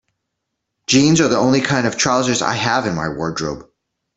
Jeans are the only kind of trousers I have in my wardrobe.